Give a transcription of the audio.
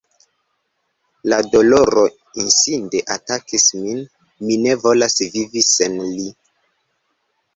La doloro inside atakis min: mi ne volas vivi sen li.